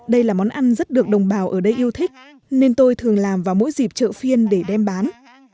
đây là món ăn rất được đồng bào ở đây yêu thích nên tôi thường làm vào mỗi dịp chợ phiên để đem bán